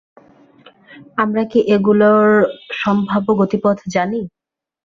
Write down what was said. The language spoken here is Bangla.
আমরা কি এগুলোর সম্ভাব্য গতিপথ জানি?